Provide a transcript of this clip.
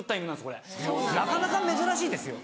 これなかなか珍しいですよ。